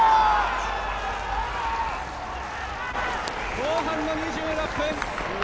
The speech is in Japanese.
後半の２６分。